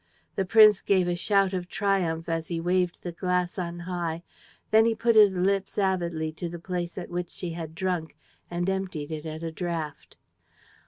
The prince gave a shout of triumph as he waved the glass on high; then he put his lips, avidly, to the place at which she had drunk and emptied it at a draught.